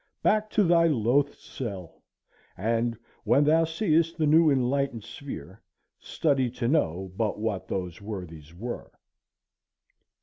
Back to thy loath'd cell; And when thou seest the new enlightened sphere, Study to know but what those worthies were."